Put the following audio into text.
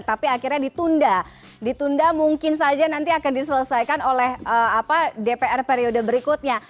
tapi akhirnya ditunda ditunda mungkin saja nanti akan diselesaikan oleh dpr periode berikutnya